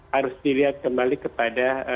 harus dilihat kembali kepada